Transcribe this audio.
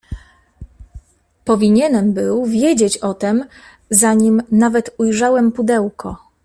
"Powinienem był wiedzieć o tem, zanim nawet ujrzałem pudełko."